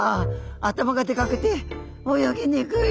頭がでかくて泳ぎにくい。